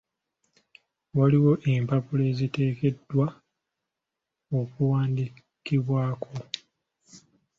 Waliwo empapula eziteekeddwa okuwandiikibwako.